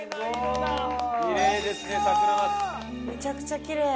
めちゃくちゃきれい。